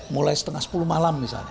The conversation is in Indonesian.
mulai setengah sepuluh malam misalnya